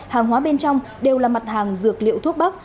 hàng hóa bên trong đều là mặt hàng dược liệu thuốc bắc